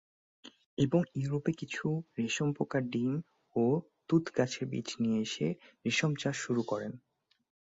এবং ইউরোপে কিছু রেশম পোকার ডিম ও তুঁত গাছের বীজ নিয়ে এসে রেশম চাষ শুরু করেন।